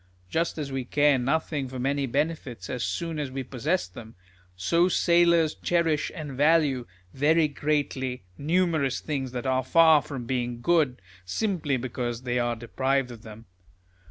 Just as we care nothing for many benefits as soon as we possess them ; so sailors cherish and value, very greatly, numerous things that are far from being good, simply because they are deprived of them.